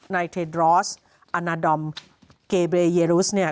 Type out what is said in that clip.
นายเทนดรอสอาณาดอมเกเบรเยรุสเนี่ย